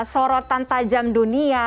sorotan tajam dunia